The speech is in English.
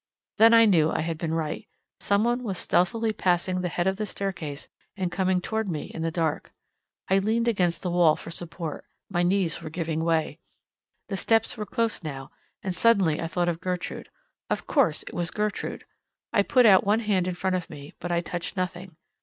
Then I knew I had been right. Some one was stealthily passing the head of the staircase and coming toward me in the dark. I leaned against the wall for support—my knees were giving way. The steps were close now, and suddenly I thought of Gertrude. Of course it was Gertrude. I put out one hand in front of me, but I touched nothing.